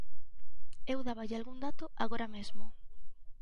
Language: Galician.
Eu dáballe algún dato agora mesmo.